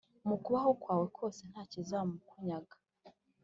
mu kubaho kwawe kose, ntakizamukunyaga.